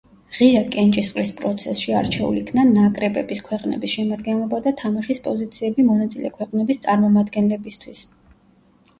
ღია კენჭისყრის პროცესში არჩეულ იქნა ნაკრებების ქვეყნების შემადგენლობა და თამაშის პოზიციები მონაწილე ქვეყნების წარმომადგენლებისთვის.